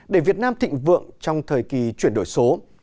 để việt nam thịnh vượng trong thời kỳ chuyển đổi số